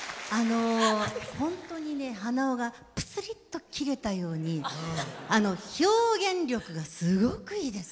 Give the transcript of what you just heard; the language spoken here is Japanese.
本当に鼻緒がぷつりと切れたように表現力が、すごくいいです。